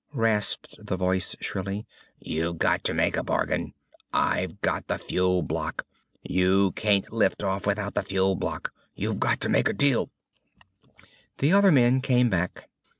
_" rasped the voice shrilly. "_You've got to make a bargain! I've got the fuel block! You can't lift off without the fuel block! You've got to make a deal._" The other men came back.